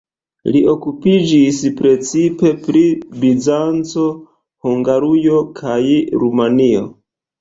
Li okupiĝis precipe pri Bizanco, Hungarujo kaj Rumanio.